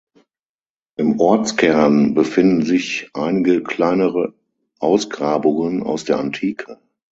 Im Ortskern befinden sich einige kleinere Ausgrabungen aus der Antike.